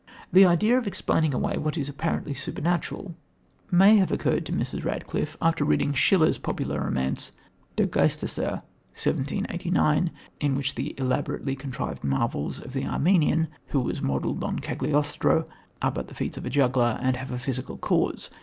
The idea of explaining away what is apparently supernatural may have occurred to Mrs. Radcliffe after reading Schiller's popular romance, Der Geisterseher (1789), in which the elaborately contrived marvels of the Armenian, who was modelled on Cagliostro, are but the feats of a juggler and have a physical cause.